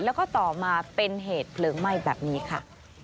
แล้วก็ต่อมาเป็นเหตุเพลิงไหม้แบบนี้ค่ะ